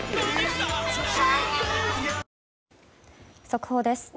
速報です。